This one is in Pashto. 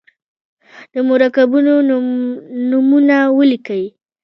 د مرکبونو نومونه ولیکئ.